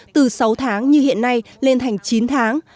từ sáu tháng như hiện nay lên thành chín tháng